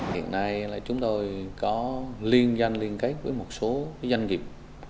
hiện nay là chúng tôi có liên doanh liên kết với một số doanh nghiệp